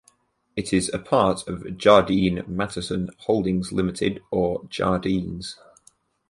It is a part of Jardine Matheson Holdings Limited, or Jardine's.